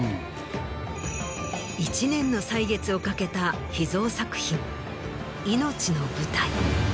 １年の歳月をかけた秘蔵作品。